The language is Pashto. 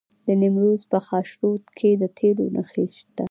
د نیمروز په خاشرود کې د تیلو نښې شته.